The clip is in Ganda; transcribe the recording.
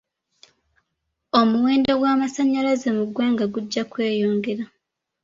Omuwendo gw'amasannyalaze mu ggwanga gujja kweyongera.